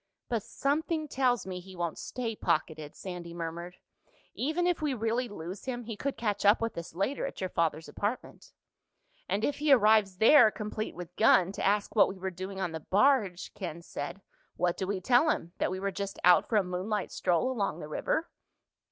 "But something tells me he won't stay pocketed," Sandy murmured. "Even if we really lose him he could catch up with us later at your father's apartment." "And if he arrives there, complete with gun, to ask what we were doing on the barge," Ken said, "what do we tell him? That we were just out for a moonlight stroll along the river?"